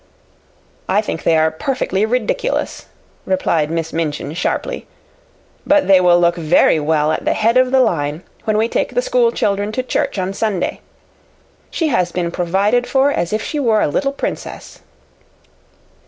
"I think they are perfectly ridiculous," replied Miss Minchin, sharply; "but they will look very well at the head of the line when we take the schoolchildren to church on Sunday. She has been provided for as if she were a little princess."